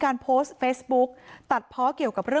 นางศรีพรายดาเสียยุ๕๑ปี